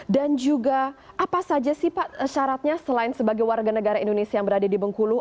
dan juga apa saja sih pak syaratnya selain sebagai warga negara indonesia yang berada di bengkulu